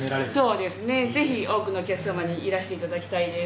そうですね、ぜひ多くのお客様にいらしていただきたいです。